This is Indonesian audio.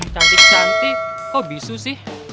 cantik cantik kok bisu sih